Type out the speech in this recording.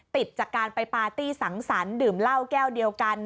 ติดจากการไปปาร์ตี้สังสรรค์ดื่มเหล้าแก้วเดียวกัน